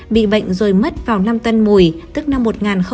bị bệnh rồi mất vào năm tân mùi tức năm một nghìn ba mươi một